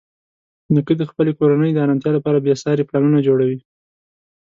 نیکه د خپلې کورنۍ د ارامتیا لپاره بېساري پلانونه جوړوي.